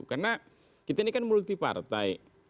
karena kita ini kan multi partai